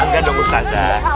ya enggak dong ustadzah